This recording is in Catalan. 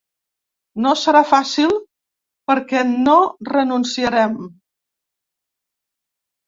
No serà fàcil perquè no renunciarem.